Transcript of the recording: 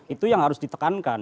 itu yang harus ditekankan